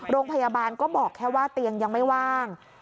โรงพยาบาลก็บอกแค่ว่าเตียงยังไม่ว่าง